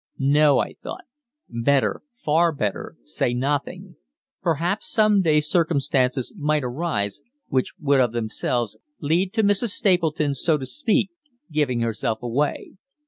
No, I thought; better, far better, say nothing perhaps some day circumstances might arise which would of themselves lead to Mrs. Stapleton's, so to speak, "giving herself away."